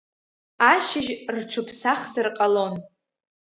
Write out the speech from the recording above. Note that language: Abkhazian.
Ашьыжь рҽырԥсахзар ҟалон.